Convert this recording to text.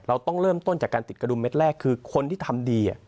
เราต้องเริ่มต้นจากการติดกระดุมเม็ดแรกคือคนที่ทำดี